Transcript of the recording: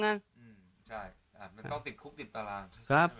มันต้องติดคุกติดตาราง